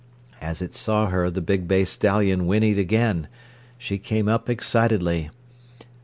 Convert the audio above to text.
As it saw her, the big bay stallion whinneyed again. She came up excitedly.